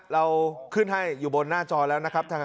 เราขึ้นให้อยู่บนหน้าจอแล้วนะครับ